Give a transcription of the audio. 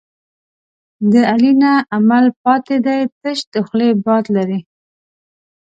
د علي نه عمل پاتې دی، تش د خولې باد لري.